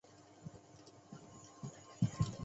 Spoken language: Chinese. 黑板是涂上黑色颜料的石板瓦。